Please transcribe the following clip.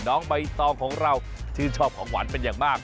น้องใบตองของเราชื่นชอบของหวานเป็นอย่างมาก